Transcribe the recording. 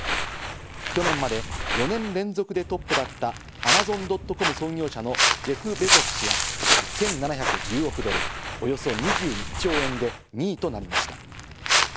去年まで４年連続でトップだったＡｍａｚｏｎ．ｃｏｍ創業者のジェフ・ベゾス氏は、１７１０億ドル、およそ２１兆円で２位となりました。